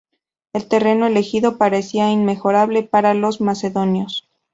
El terreno elegido parecía inmejorable para los macedonios.